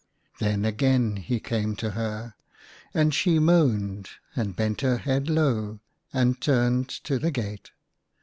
Then again he came to her. And she moaned, and bent her head low, and turned to the gate.